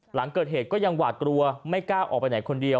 หลังเกิดเหตุก็ยังหวาดกลัวไม่กล้าออกไปไหนคนเดียว